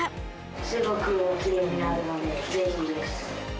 すごくきれいになるので便利です。